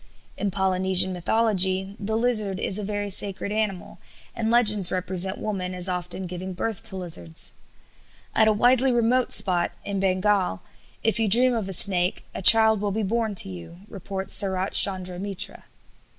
In Polynesian mythology the lizard is a very sacred animal, and legends represent women as often giving birth to lizards. At a widely remote spot, in Bengal, if you dream of a snake a child will be born to you, reports Sarat Chandra Mitra.